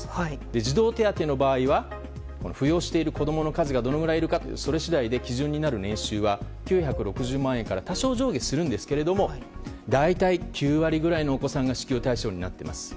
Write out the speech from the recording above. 児童手当の場合は扶養している子供の数がどれくらいいるかそれ次第で基準は９６０万円から多少上下するんですけれども大体、９割くらいのお子さんが支給対象になっています。